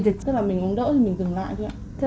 tức là mình uống đỡ thì mình dừng lại thôi ạ